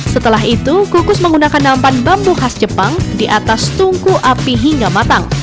setelah itu kukus menggunakan nampan bambu khas jepang di atas tungku api hingga matang